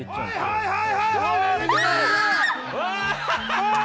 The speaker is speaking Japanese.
はいはい、はいはい！